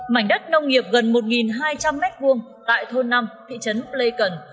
mảnh đất nông nghiệp gần một hai trăm linh m hai tại thôn năm thị trấn plei cần